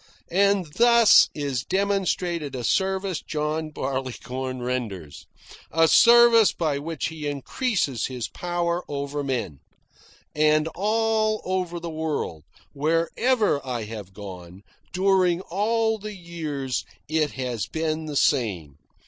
And thus is demonstrated a service John Barleycorn renders, a service by which he increases his power over men. And over the world, wherever I have gone, during all the years, it has been the same.